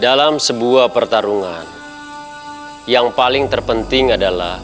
dalam sebuah pertarungan yang paling terpenting adalah